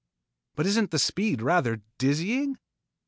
"But isn't the speed rather dizzy?"